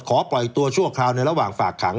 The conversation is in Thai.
ปล่อยตัวชั่วคราวในระหว่างฝากขัง